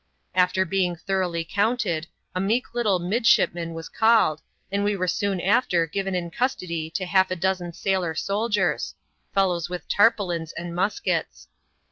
After being thoroughly counted, a meek little midshipman was called, and we were soon after given in custody to half a dozen sailor soldiers — fellows with tarpaulins and muskets.